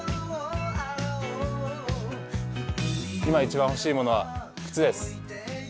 今一番欲しいものは靴です。